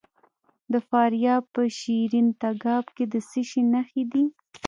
د فاریاب په شیرین تګاب کې د څه شي نښې دي؟